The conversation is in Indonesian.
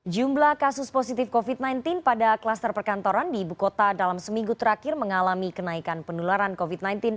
jumlah kasus positif covid sembilan belas pada kluster perkantoran di ibu kota dalam seminggu terakhir mengalami kenaikan penularan covid sembilan belas